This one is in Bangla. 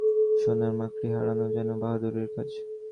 সোনার মাকড়ি হারানো যেন বাহাদুরির কাজ।